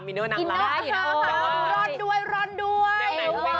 โรนด้วยโรนด้วย